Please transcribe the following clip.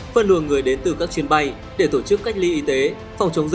phân luận người đến từ các chuyến bay để tổ chức đường bay